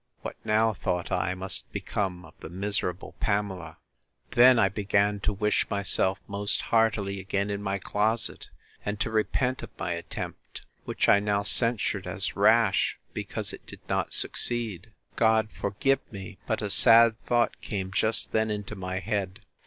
What now, thought I, must become of the miserable Pamela!—Then I began to wish myself most heartily again in my closet, and to repent of my attempt, which I now censured as rash, because it did not succeed. God forgive me! but a sad thought came just then into my head!